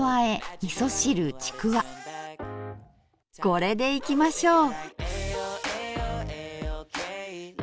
これでいきましょう！